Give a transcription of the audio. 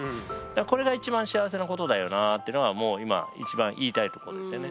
これが一番幸せなことだよなっていうのがもう今一番言いたいところですよね。